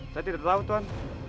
saya tidak tahu tuhan